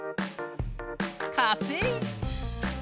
かせい。